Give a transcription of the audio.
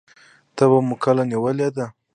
تبه مو کله نیولې ده؟